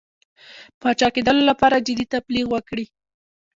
پاچاکېدلو لپاره جدي تبلیغ وکړي.